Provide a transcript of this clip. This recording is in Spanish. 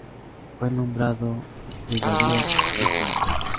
Fue nombrado Brigadier en Celaya.